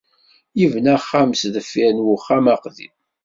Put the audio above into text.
Yebna axxam sdeffir n uxxam aqdim.